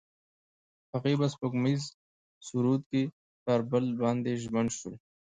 هغوی په سپوږمیز سرود کې پر بل باندې ژمن شول.